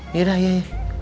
yaudah ya ya